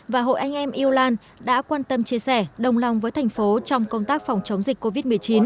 và hội anh em yulan đã quan tâm chia sẻ đồng lòng với thành phố trong công tác phòng chống dịch covid một mươi chín